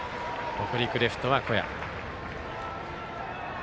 北陸レフトの小矢。